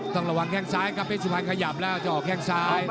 ต้องระวังแข้งซ้ายครับเพชรสุพรรณขยับแล้วจะออกแข้งซ้าย